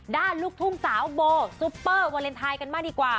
ลูกทุ่งสาวโบซุปเปอร์วาเลนไทยกันบ้างดีกว่า